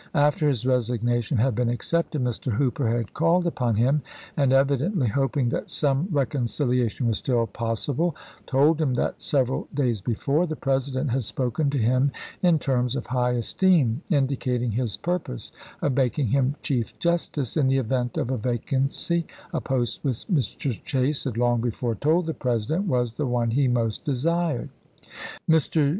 After his resignation had been accepted, Mr. Hooper had called upon him, and, evidently hoping that some reconciliation was still possible, told him that, several days before, the President had spoken to him in terms of high esteem, indicating his purpose of making him Chief Justice in the event of a vacancy, a post which Mr. Chase had long before told the President was the one he most desired. Mr.